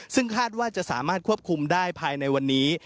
ซึ่งคาดว่าจะสามารถควบคุมได้ภายในวันนี้